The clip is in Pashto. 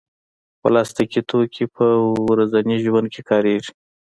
پلاستيکي توکي په ورځني ژوند کې کارېږي.